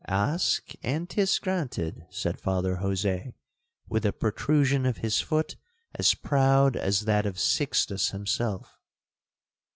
'—'Ask and 'tis granted,' said Father Jose, with a protrusion of his foot as proud as that of Sixtus himself.